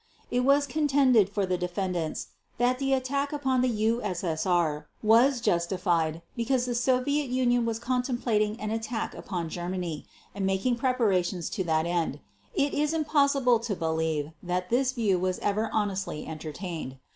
It was contended for the defendants that the attack upon the U.S.S.R. was justified because the Soviet Union was contemplating an attack upon Germany, and making preparations to that end. It is impossible to believe that this view was ever honestly entertained.